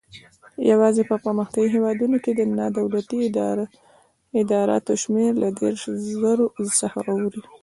یوازې په پرمختیایي هیوادونو کې د نادولتي ادراراتو شمېر له دېرش زرو څخه اوړي.